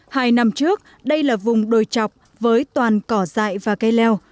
hai năm trước đây là vùng đồi chọc với toàn cỏ dại và cây leo